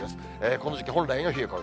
この時期本来の冷え込み。